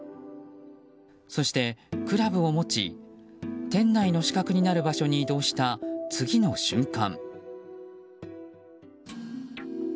そして、クラブを持ち店内の死角になる場所に移動した次の瞬間。